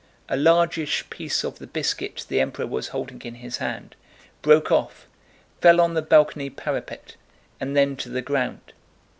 A largish piece of the biscuit the Emperor was holding in his hand broke off, fell on the balcony parapet, and then to the ground.